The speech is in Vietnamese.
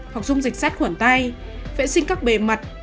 hoặc dung dịch sát khuẩn tay vệ sinh các bề mặt